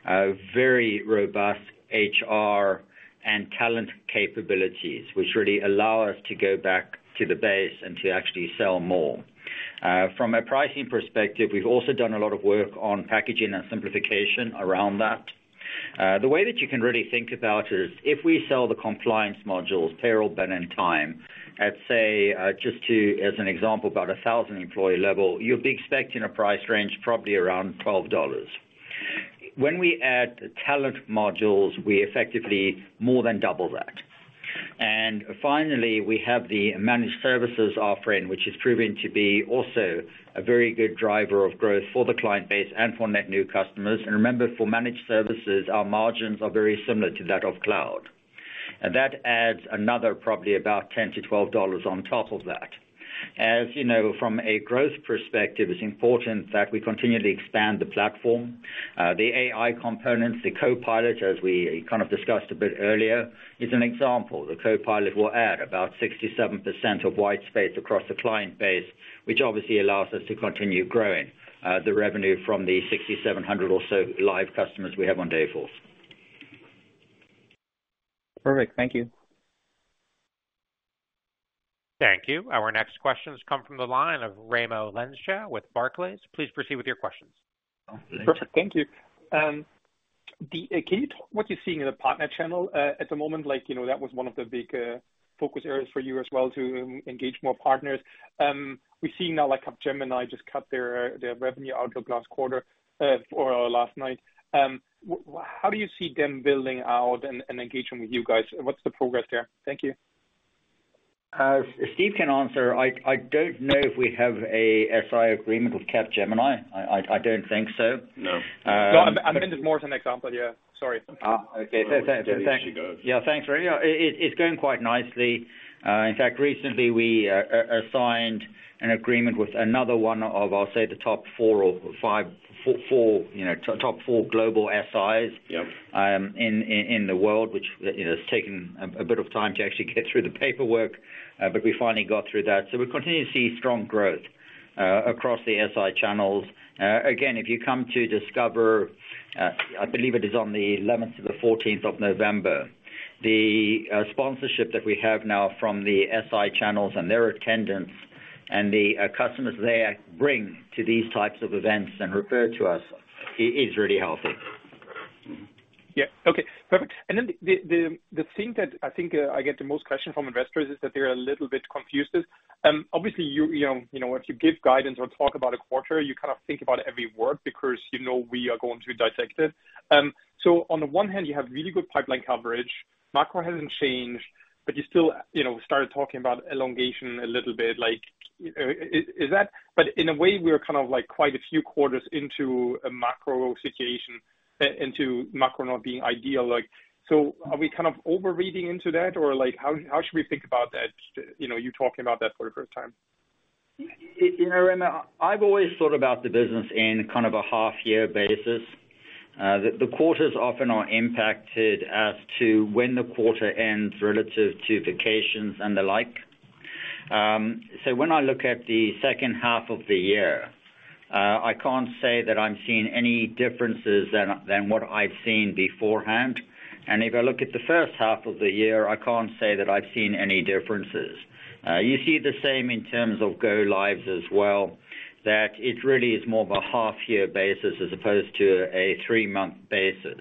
very robust HR and talent capabilities, which really allow us to go back to the base and to actually sell more. From a pricing perspective, we've also done a lot of work on packaging and simplification around that. The way that you can really think about it is if we sell the compliance modules, payroll, but in time, at, say, just as an example, about 1,000 employee level, you'll be expecting a price range probably around $12. When we add talent modules, we effectively more than double that. And finally, we have the managed services offering, which has proven to be also a very good driver of growth for the client base and for net new customers. And remember, for managed services, our margins are very similar to that of cloud. And that adds another probably about $10-$12 on top of that. As you know, from a growth perspective, it's important that we continually expand the platform. The AI components, the Copilot, as we kind of discussed a bit earlier, is an example. The Copilot will add about 67% of white space across the client base, which obviously allows us to continue growing the revenue from the 6,700 or so live customers we have on Dayforce. Perfect. Thank you. Thank you. Our next questions come from the line of Raimo Lenschow with Barclays. Please proceed with your questions. Perfect. Thank you. What you're seeing in the partner channel at the moment, that was one of the big focus areas for you as well to engage more partners. We're seeing now Capgemini just cut their revenue outlook last quarter or last night. How do you see them building out and engaging with you guys? What's the progress there? Thank you. Steve can answer. I don't know if we have a SI agreement with Capgemini. I don't think so. No. No, I meant it more as an example. Yeah. Sorry. Okay. Thanks. Yeah. Thanks, Raimo. It's going quite nicely. In fact, recently, we signed an agreement with another one of, I'll say, the top four or four top four global SIs in the world, which has taken a bit of time to actually get through the paperwork. But we finally got through that. So we continue to see strong growth across the SI channels. Again, if you come to Discover, I believe it is on the 11th to the 14th of November, the sponsorship that we have now from the SI channels and their attendance and the customers they bring to these types of events and refer to us is really helpful. Yeah. Okay. Perfect. And then the thing that I think I get the most questions from investors is that they're a little bit confused. Obviously, when you give guidance or talk about a quarter, you kind of think about every word because you know we are going to dissect it. So on the one hand, you have really good pipeline coverage. Macro hasn't changed, but you still started talking about elongation a little bit. But in a way, we're kind of quite a few quarters into a macro situation, into macro not being ideal. So are we kind of overreading into that, or how should we think about that? You're talking about that for the first time. Raimo, I've always thought about the business in kind of a half-year basis. The quarters often are impacted as to when the quarter ends relative to vacations and the like. So when I look at the second half of the year, I can't say that I'm seeing any differences than what I've seen beforehand. And if I look at the first half of the year, I can't say that I've seen any differences. You see the same in terms of go-lives as well, that it really is more of a half-year basis as opposed to a three-month basis.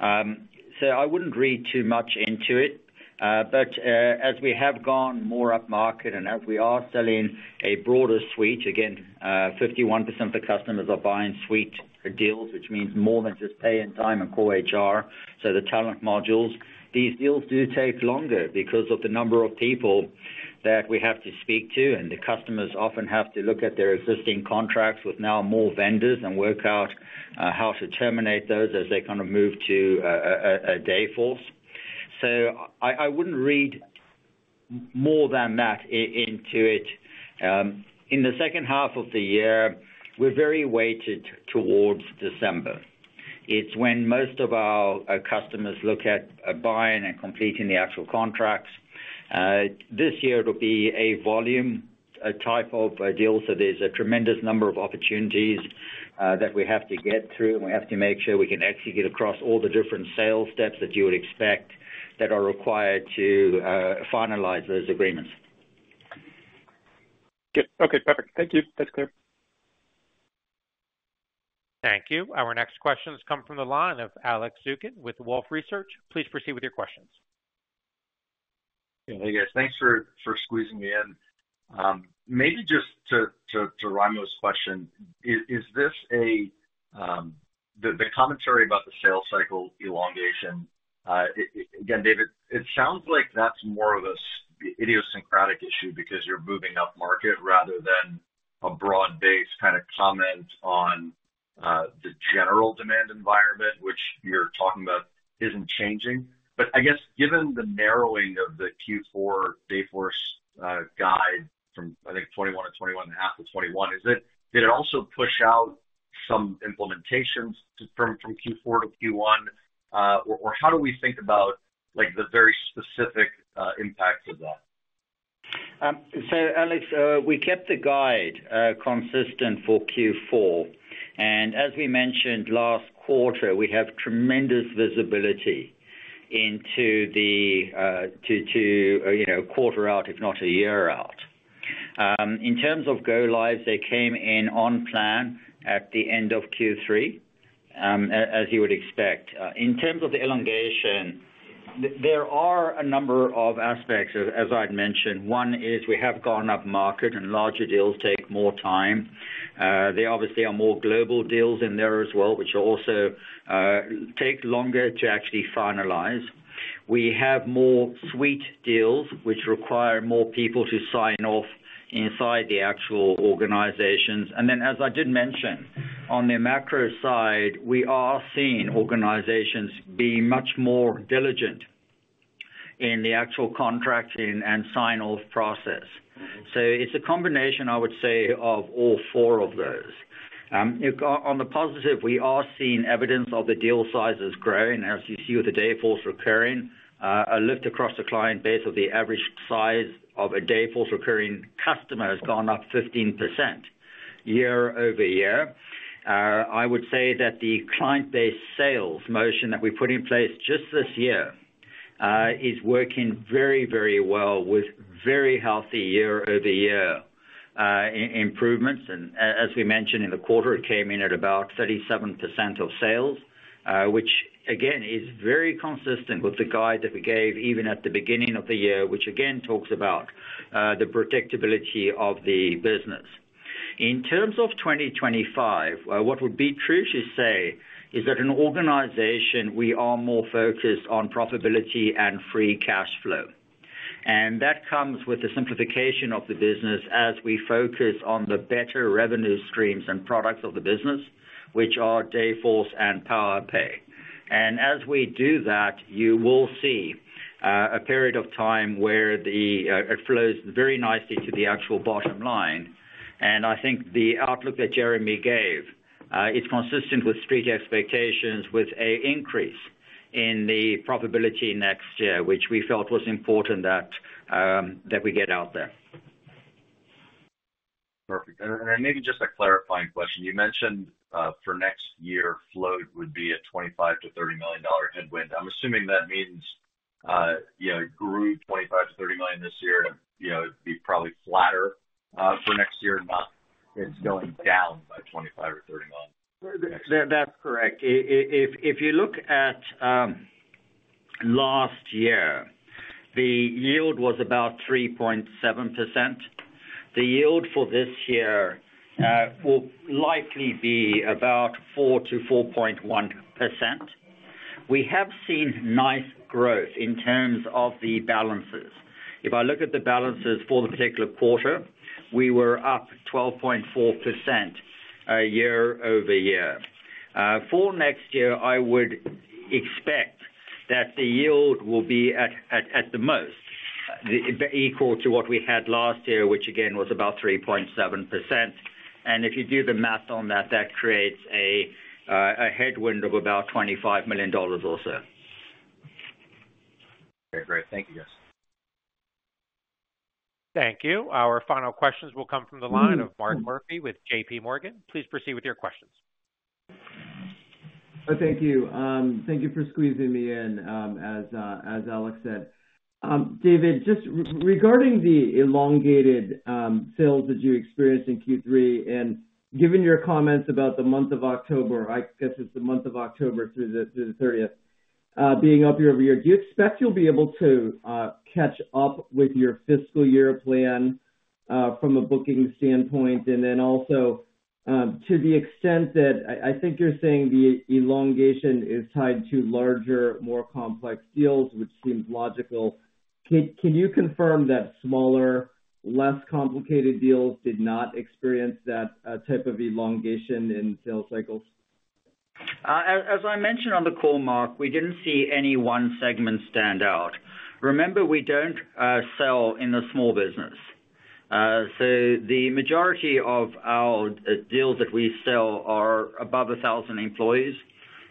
So I wouldn't read too much into it. But as we have gone more upmarket and as we are selling a broader suite, again, 51% of the customers are buying suite deals, which means more than just pay and time and core HR, so the talent modules. These deals do take longer because of the number of people that we have to speak to, and the customers often have to look at their existing contracts with now more vendors and work out how to terminate those as they kind of move to Dayforce, so I wouldn't read more than that into it. In the second half of the year, we're very weighted towards December. It's when most of our customers look at buying and completing the actual contracts. This year, it'll be a volume type of deal, so there's a tremendous number of opportunities that we have to get through, and we have to make sure we can execute across all the different sales steps that you would expect that are required to finalize those agreements. Okay. Perfect. Thank you. That's clear. Thank you. Our next questions come from the line of Alex Zukin with Wolfe Research. Please proceed with your questions. Hey, guys. Thanks for squeezing me in. Maybe just to Raimo's question, is this the commentary about the sales cycle elongation? Again, David, it sounds like that's more of an idiosyncratic issue because you're moving upmarket rather than a broad-based kind of comment on the general demand environment, which you're talking about isn't changing. But I guess given the narrowing of the Q4 Dayforce guide from, I think, 21-21.5-21, did it also push out some implementations from Q4-Q1? Or how do we think about the very specific impact of that? So Alex, we kept the guide consistent for Q4. And as we mentioned, last quarter, we have tremendous visibility into the quarter out, if not a year out. In terms of go-lives, they came in on plan at the end of Q3, as you would expect. In terms of the elongation, there are a number of aspects, as I'd mentioned. One is we have gone upmarket, and larger deals take more time. They obviously are more global deals in there as well, which also take longer to actually finalize. We have more suite deals, which require more people to sign off inside the actual organizations. And then, as I did mention, on the macro side, we are seeing organizations be much more diligent in the actual contracting and sign-off process. So it's a combination, I would say, of all four of those. On the positive, we are seeing evidence of the deal sizes growing. As you see with the Dayforce recurring, a lift across the client base of the average size of a Dayforce recurring customer has gone up 15% year-over-year. I would say that the client-based sales motion that we put in place just this year is working very, very well with very healthy year-over-year improvements. And as we mentioned, in the quarter, it came in at about 37% of sales, which, again, is very consistent with the guide that we gave even at the beginning of the year, which again talks about the predictability of the business. In terms of 2025, what would be true to say is that in organization, we are more focused on profitability and free cash flow. And that comes with the simplification of the business as we focus on the better revenue streams and products of the business, which are Dayforce and Powerpay. And as we do that, you will see a period of time where it flows very nicely to the actual bottom line. And I think the outlook that Jeremy gave is consistent with street expectations with an increase in the profitability next year, which we felt was important that we get out there. Perfect. And maybe just a clarifying question. You mentioned for next year, float would be a $25-$30 million headwind. I'm assuming that means it grew $25-$30 million this year, and it'd be probably flatter for next year, not it's going down by $25 or $30 million next year. That's correct. If you look at last year, the yield was about 3.7%. The yield for this year will likely be about 4%-4.1%. We have seen nice growth in terms of the balances. If I look at the balances for the particular quarter, we were up 12.4% year-over-year. For next year, I would expect that the yield will be at the most equal to what we had last year, which again was about 3.7%. And if you do the math on that, that creates a headwind of about $25 million or so. Great. Thank you, guys. Thank you. Our final questions will come from the line of Mark Murphy with JP Morgan. Please proceed with your questions. Thank you. Thank you for squeezing me in, as Alex said. David, just regarding the elongated sales that you experienced in Q3, and given your comments about the month of October, I guess it's the month of October through the 30th, being up year-over-year, do you expect you'll be able to catch up with your fiscal year plan from a booking standpoint? And then also, to the extent that I think you're saying the elongation is tied to larger, more complex deals, which seems logical, can you confirm that smaller, less complicated deals did not experience that type of elongation in sales cycles? As I mentioned on the call, Mark, we didn't see any one segment stand out. Remember, we don't sell in a small business. So the majority of our deals that we sell are above 1,000 employees.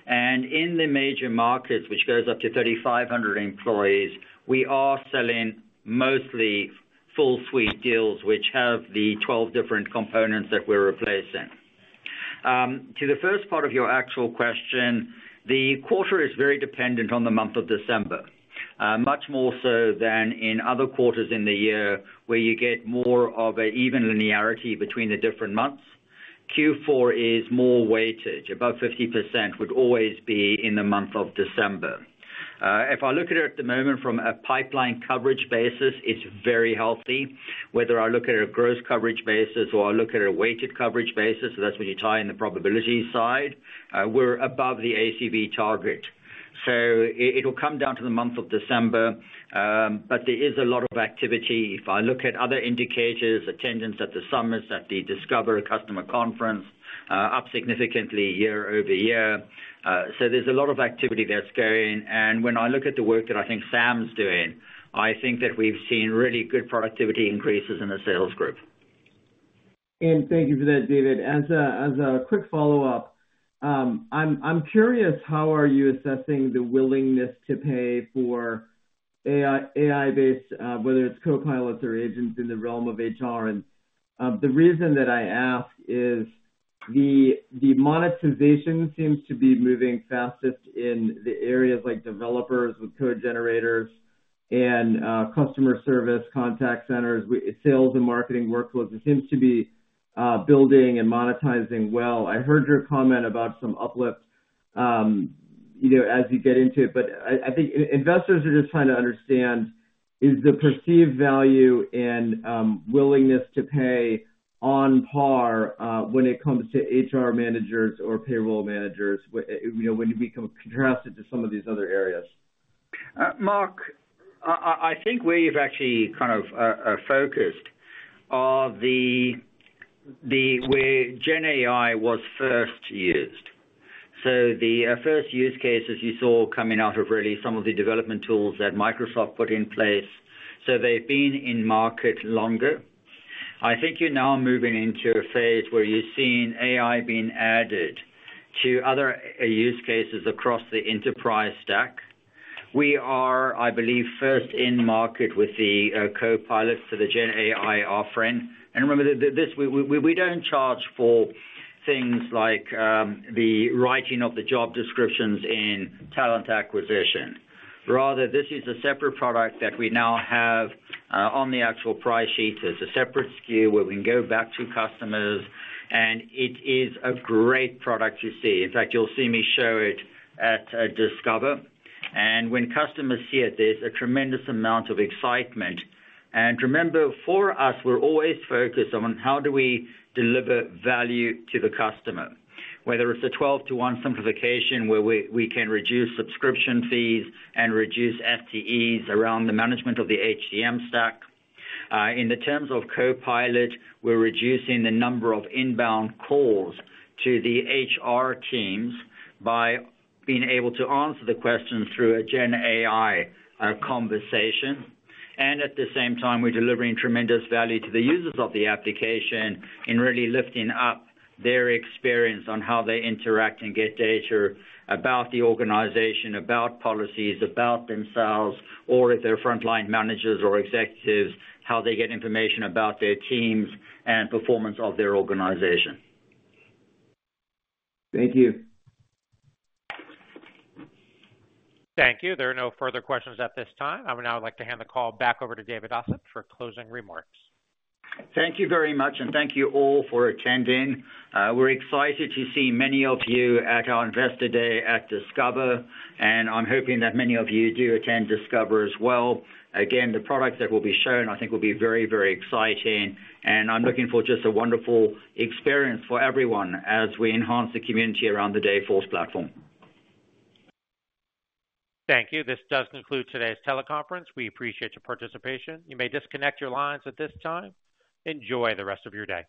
And in the major markets, which goes up to 3,500 employees, we are selling mostly full-suite deals, which have the 12 different components that we're replacing. To the first part of your actual question, the quarter is very dependent on the month of December, much more so than in other quarters in the year where you get more of an even linearity between the different months. Q4 is more weighted. About 50% would always be in the month of December. If I look at it at the moment from a pipeline coverage basis, it's very healthy. Whether I look at a gross coverage basis or I look at a weighted coverage basis, so that's when you tie in the probability side, we're above the ACV target. So it'll come down to the month of December, but there is a lot of activity. If I look at other indicators, attendance at the summits at the Discover Customer Conference, up significantly year-over-year. So there's a lot of activity that's going. When I look at the work that I think Sam's doing, I think that we've seen really good productivity increases in the sales group. Thank you for that, David. As a quick follow-up, I'm curious how are you assessing the willingness to pay for AI-based, whether it's copilots or agents in the realm of HR? And the reason that I ask is the monetization seems to be moving fastest in the areas like developers with code generators and customer service contact centers, sales and marketing workflows. It seems to be building and monetizing well. I heard your comment about some uplift as you get into it, but I think investors are just trying to understand, is the perceived value and willingness to pay on par when it comes to HR managers or payroll managers when you become contrasted to some of these other areas? Mark, I think where you've actually kind of focused are the where GenAI was first used. So the first use cases you saw coming out of really some of the development tools that Microsoft put in place. So they've been in market longer. I think you're now moving into a phase where you're seeing AI being added to other use cases across the enterprise stack. We are, I believe, first in market with the copilots to the GenAI offering. And remember, we don't charge for things like the writing of the job descriptions in talent acquisition. Rather, this is a separate product that we now have on the actual price sheet. It's a separate SKU where we can go back to customers, and it is a great product to see. In fact, you'll see me show it at Discover. And when customers see it, there's a tremendous amount of excitement. Remember, for us, we're always focused on how do we deliver value to the customer, whether it's a 12 to 1 simplification where we can reduce subscription fees and reduce FTEs around the management of the HCM stack. In terms of Copilot, we're reducing the number of inbound calls to the HR teams by being able to answer the questions through a GenAI conversation. At the same time, we're delivering tremendous value to the users of the application in really lifting up their experience on how they interact and get data about the organization, about policies, about themselves, or if they're frontline managers or executives, how they get information about their teams and performance of their organization. Thank you. Thank you. There are no further questions at this time. I would now like to hand the call back over to David Ossip for closing remarks. Thank you very much, and thank you all for attending. We're excited to see many of you at our Investor Day at Discover, and I'm hoping that many of you do attend Discover as well. Again, the product that will be shown, I think, will be very, very exciting. And I'm looking for just a wonderful experience for everyone as we enhance the community around the Dayforce platform. Thank you. This does conclude today's teleconference. We appreciate your participation. You may disconnect your lines at this time. Enjoy the rest of your day.